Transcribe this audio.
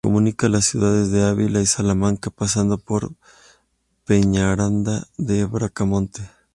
Comunica las ciudades de Ávila y Salamanca pasando por Peñaranda de Bracamonte.